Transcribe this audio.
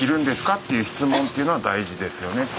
っていう質問っていうのは大事ですよねって。